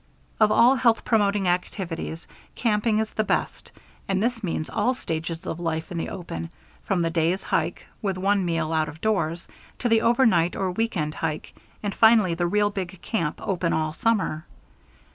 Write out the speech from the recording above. Of all health promoting activities, camping is the best, and this means all stages of life in the open, from the day's hike, with one meal out of doors, to the overnight or week end hike, and finally the real, big camp, open all summer.